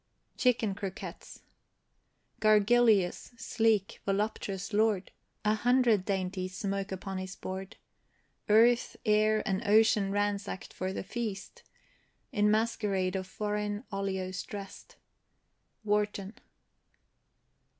CHICKEN CROQUETTES. Gargilius, sleek, voluptuous lord, A hundred dainties smoke upon his board; Earth, air, and ocean ransack'd for the feast, In masquerade of foreign olios dress'd. WARTON.